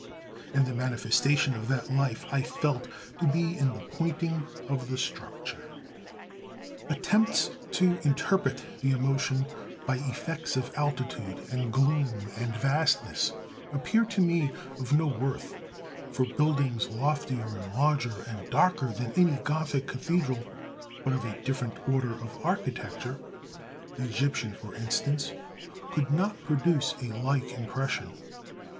And the manifestation of that life I felt to be in the pointing of the structure. Attempts to interpret the emotion by effects of altitude and gloom and vastness appeared to me of no worth; for buildings loftier and larger and darker than any Gothic cathedral, but of a different order of architecture, Egyptian, for instance, could not produce a like impression.